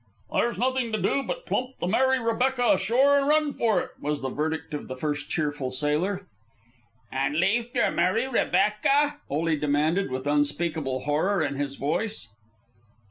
"There's nothing to do but plump the Mary Rebecca ashore and run for it," was the verdict of the first cheerful sailor. "And leaf der Mary Rebecca?" Ole demanded, with unspeakable horror in his voice.